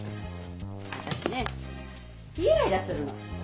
私ねイライラするの。